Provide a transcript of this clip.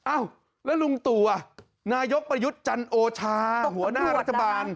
อ้าวแล้วลุงตัวนายกประยุทธ์จันโอชาหัวหน้ารัฐบาล